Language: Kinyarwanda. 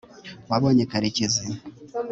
wabonye karekezi